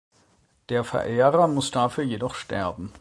Der Verehrer muss dafür jedoch sterben.